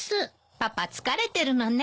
パパ疲れてるのね。